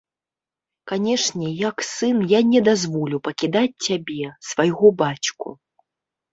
Канечне, як сын, я не дазволю пакідаць цябе, свайго бацьку.